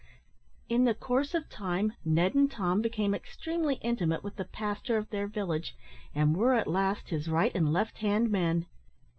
In the course of time Ned and Tom became extremely intimate with the pastor of their village, and were at last his right and left hand men.